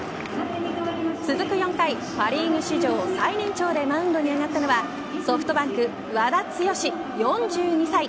続く４回、パ・リーグ史上最年長でマウンドに上がったのはソフトバンク和田毅４２歳。